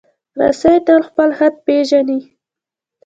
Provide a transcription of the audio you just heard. رسۍ تل خپل حد پېژني.